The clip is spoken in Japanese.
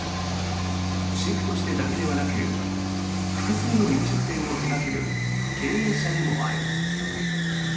シェフとしてだけではなく複数の飲食店を手掛ける経営者でもある。